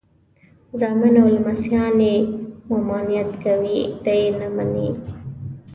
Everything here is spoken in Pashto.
زامن او لمسیان یې ممانعت کوي خو دی یې نه مني.